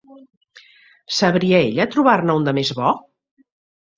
Sabria ella trobar-ne un de més bo?